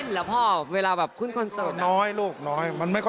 หัวข่าวมันกรอกแกรก